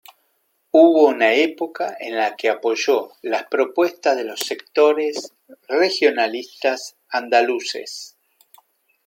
Hubo una etapa en que apoyó las propuestas de los sectores regionalistas andaluces.